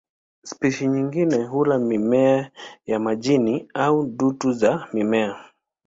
Spishi nyingine hula mimea ya majini au dutu za mimea.